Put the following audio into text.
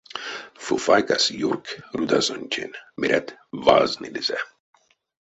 Фуфайкась — юрк! — рудазонтень, мерят, ваз нилизе.